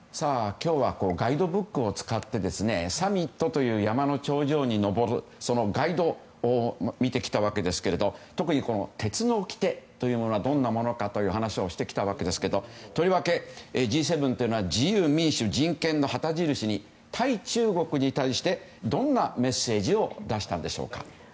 今日はガイドブックを使ってサミットという山の頂上に登るそのガイドを見てきたわけですが特に鉄のおきてというのがどんなものかという話をしてきたわけですけどとりわけ、Ｇ７というのは自由、民主、人権を旗印に対中国に対してどんなメッセージを出したのでしょうか。